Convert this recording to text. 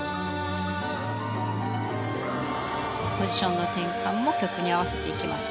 ポジションの転換も曲に合わせていきます。